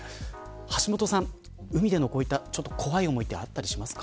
橋下さん、海でのこういった怖い思いあったりしますか。